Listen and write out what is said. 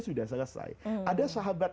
sudah selesai ada sahabat